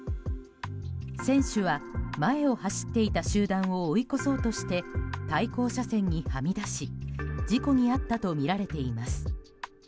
選手は、前を走っていた集団を追い越そうとして対向車線にはみ出し事故に遭ったとみられています。